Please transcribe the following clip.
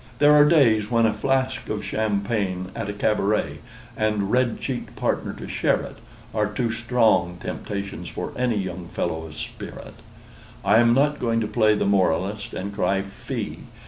There are days when a flask of champagne at a cabaret, and a red cheeked partner to share it, are too strong temptations for any young fellow of spirit. I am not going to play the moralist, and cry "Fie."